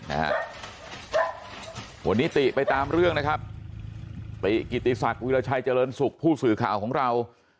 วันนี้ติไปตามเรื่องนะครับติกิติศักดิ์วิราชัยเจริญสุขผู้สื่อข่าวของเรา